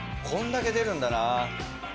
こんだけ出るんだな。